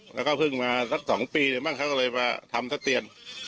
แล้วก็เพิ่งมาสัก๒ปีได้มั้งเขาก็เลยมาทำทะเตียน